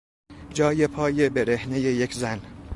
جای پای برهنهی یک زن